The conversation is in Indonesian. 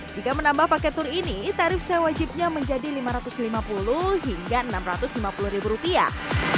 jika menambah paket tur ini tarif sewajibnya menjadi lima ratus lima puluh hingga enam ratus lima puluh ribu rupiah